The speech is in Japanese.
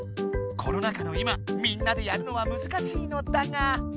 コロナ禍の今みんなでやるのはむずかしいのだが。